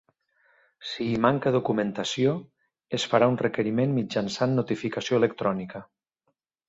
Si hi manca documentació es farà un requeriment mitjançant notificació electrònica.